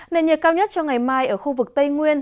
nền nhiệt cao nhất cho ngày mai ở khu vực tây nguyên